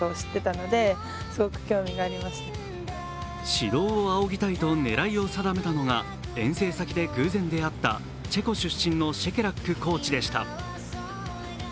指導を仰ぎたいと狙いを定めたのが遠征先で偶然出会ったチェコ出身のシェケラックコーチでした。